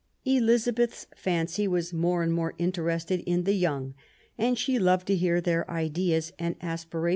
Ehzabetn ancy : s ^ anS more interested in the youn. tnTshe loved to hear their Jdeas and aspuat.